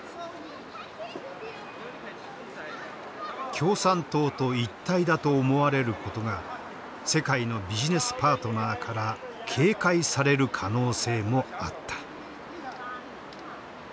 共産党と一体だと思われることが世界のビジネスパートナーから警戒される可能性もあった。